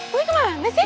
boy kemana sih